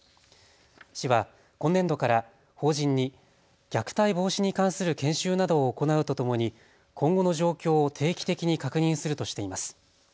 市は今年度から法人に虐待防止に関する研修などを行うとともに今後の状況を定期的に確認するとしています。